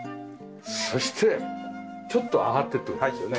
そしてちょっと上がってって事ですよね。